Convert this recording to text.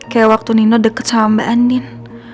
kayak waktu nino deket sama mbak andin